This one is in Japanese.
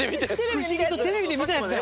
不思議とテレビで見たやつだよ。